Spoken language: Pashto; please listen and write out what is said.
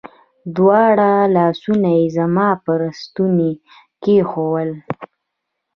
دواړه لاسونه يې زما پر ستوني کښېښوول.